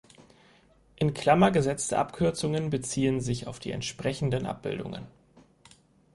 In Klammer gesetzte Abkürzungen beziehen sich auf die entsprechenden Abbildungen.